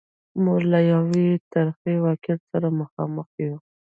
موږ له یوه ترخه واقعیت سره مخامخ یو.